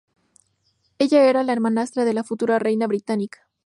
Ella era la hermanastra de la futura reina británica.